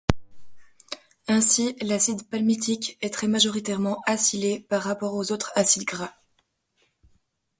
Ainsi, l’acide palmitique est très majoritairement acylé par rapport aux autres acides gras.